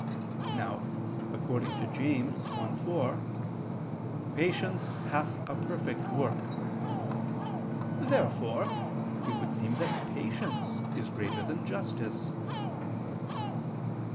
Now, according to Jam. 1:4, "Patience hath a perfect work." Therefore it would seem that patience is greater than justice.